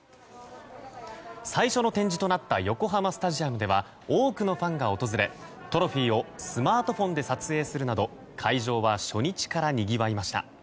最初の展示となった横浜スタジアムでは多くのファンが訪れトロフィーをスマートフォンで撮影するなど会場は初日からにぎわいました。